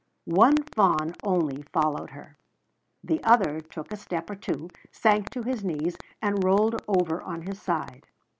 One fawn only followed her. The other took a step or two, sank to his knees, and rolled over on his side.